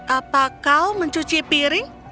apa kau mencuci piring